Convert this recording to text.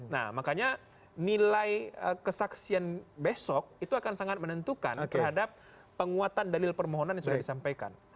nah makanya nilai kesaksian besok itu akan sangat menentukan terhadap penguatan dalil permohonan yang sudah disampaikan